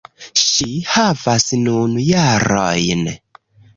Ŝi havas nun jarojn.